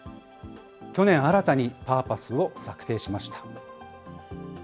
去年、新たにパーパスを策定しました。